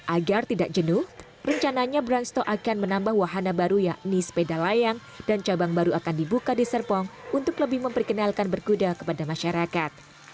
agar tidak jenuh rencananya branchto akan menambah wahana baru yakni sepeda layang dan cabang baru akan dibuka di serpong untuk lebih memperkenalkan berkuda kepada masyarakat